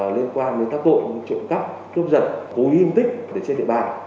liên quan đến tác tội trộm cắp chốt giật cố hiểm tích trên địa bàn